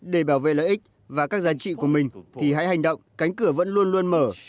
để bảo vệ lợi ích và các giá trị của mình thì hãy hành động cánh cửa vẫn luôn luôn mở